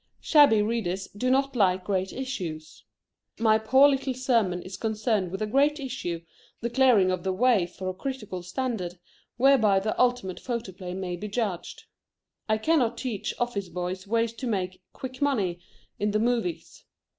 Shabby readers do not like great issues. My poor little sermon is concerned with a great issue, the clearing of the way for a critical standard, whereby the ultimate photoplay may be judged. I cannot teach office boys ways to make "quick money" in the "movies."